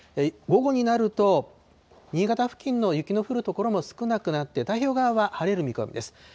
午後になると、新潟付近の雪の降る所も少なくなって、太平洋側は晴れる見込みです。